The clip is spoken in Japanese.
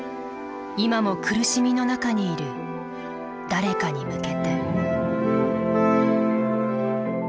今も苦しみの中にいる誰かに向けて。